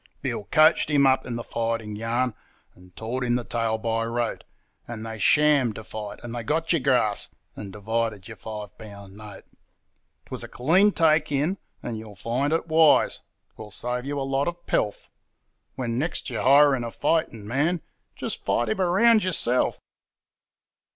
Bill coached him up in the fighting yarn, and taught him the tale by rote, And they shammed to fight, and they got your grass and divided your five pound note. 'Twas a clean take in, and you'll find it wise 'twill save you a lot of pelf When next you're hiring a fighting man, just fight him a round yourself.'